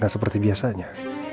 gak seperti biasanya